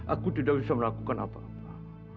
aku tidak bisa melakukan apa apa